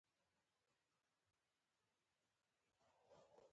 غوږونه د سپیڅلي غږ تمه کوي